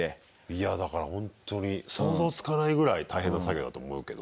いやだからほんとに想像つかないぐらい大変な作業だと思うけどね。